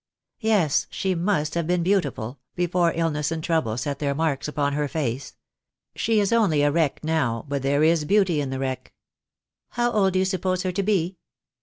"Yes, she must have been beautiful, before illness and trouble set their marks upon her face. She is only a wreck now, but there is beauty in the wreck." "How old do you suppose her to be?"